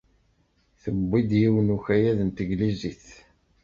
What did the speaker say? Tewwi-d yiwen n ukayad n tanglizit.